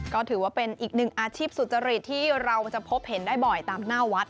ก็ถือว่าเป็นอีกหนึ่งอาชีพสุจริตที่เราจะพบเห็นได้บ่อยตามหน้าวัด